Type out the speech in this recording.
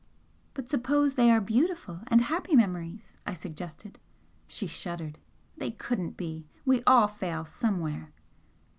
"But suppose they are beautiful and happy memories?" I suggested. She shuddered. "They couldn't be! We all fail somewhere."